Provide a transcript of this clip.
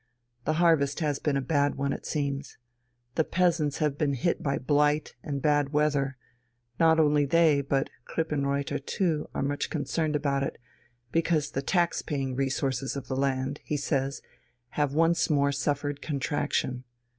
The harvest has been a bad one, it seems. The peasants have been hit by blight and bad weather; not only they, but Krippenreuther too, are much concerned about it, because the tax paying resources of the land, he says, have once more suffered contraction.